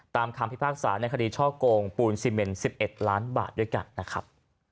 คำพิพากษาในคดีช่อโกงปูนซีเมน๑๑ล้านบาทด้วยกันนะครับ